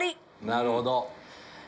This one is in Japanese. なるほど。